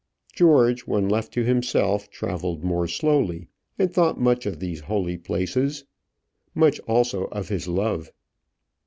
George, when left to himself, travelled more slowly, and thought much of these holy places much also of his love.